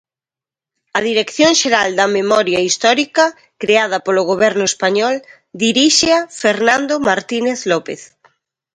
A Dirección Xeral da Memoria Histórica, creada polo Goberno español, diríxea Fernando Martínez López.